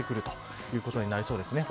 ということになりそうです。